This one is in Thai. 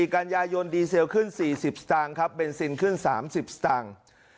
กันยายนดีเซลขึ้น๔๐สตางค์ครับเบนซินขึ้น๓๐สตางค์